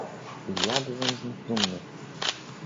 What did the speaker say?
"I ja byłem z nich dumny."